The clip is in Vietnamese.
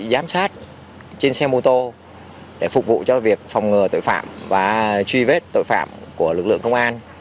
giám sát trên xe mô tô để phục vụ cho việc phòng ngừa tội phạm và truy vết tội phạm của lực lượng công an